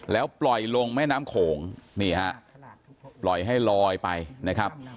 แล้วปล่อยลงแม่น้ำโขงนี่ฮะปล่อยให้ลอยไปนะครับ